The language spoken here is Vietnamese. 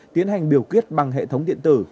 tiến hành biểu quyết bằng hệ thống điện tử